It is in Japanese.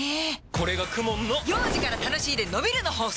これがＫＵＭＯＮの幼児から楽しいでのびるの法則！